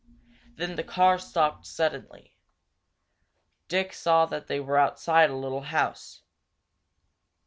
Then the car stopped suddenly. Dick saw that they were outside a little house.